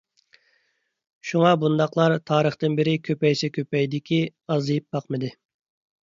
شۇڭا بۇنداقلار تارىختىن بېرى كۆپەيسە كۆپەيدىكى، ئازىيىپ باقمىدى.